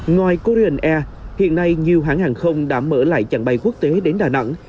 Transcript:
ngoài korean air hiện nay nhiều hãng hàng không đã mở lại trạng bay quốc tế đến đà nẵng